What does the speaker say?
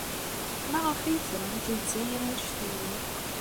Maɣef ay tramt Lezzayer anect-a akk?